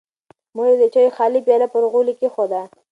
مور یې د چایو خالي پیاله پر غولي کېښوده.